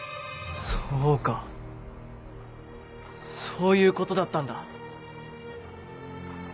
そういうことだったんだ。